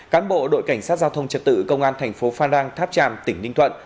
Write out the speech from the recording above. cán bộ đội cảnh sát giao thông trật tự công an tp phan rang tháp tràm tỉnh ninh thuận